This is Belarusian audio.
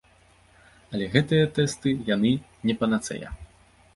Але гэтыя тэсты, яны не панацэя.